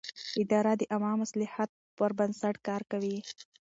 اداره د عامه مصلحت پر بنسټ کار کوي.